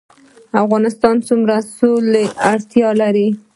افغانستان څومره د سولې اړتیا لري؟